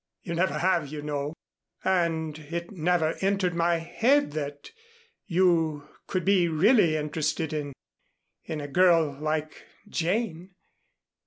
You never have, you know. And it never entered my head that you could be really interested in in a girl like Jane.